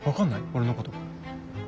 俺のこと。